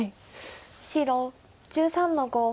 白１３の五ノビ。